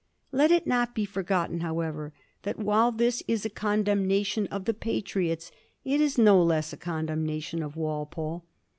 Let it not be forgotten, however, that, while this is a condemnation of the Patriots, it is no less a condemnation of Walpole.